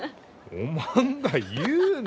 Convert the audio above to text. おまんが言うな！